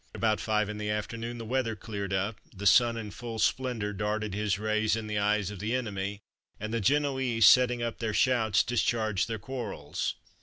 About 5 in the afternoon, the weather cleared up, the Sun in full splendour darted his rays in the eyes of the enemy; and the Genoese, setting up their shouts, discharged their quarrels."